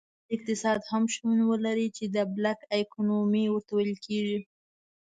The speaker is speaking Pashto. یو بل اقتصاد هم شتون ولري چې Black Economy ورته ویل کیږي.